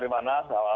terima kasih pak